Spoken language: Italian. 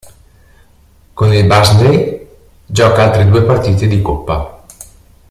Con il Barnsley gioca altre due partite di Coppa.